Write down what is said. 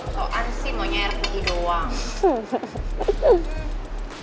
soal an sih mau nyair gigi doang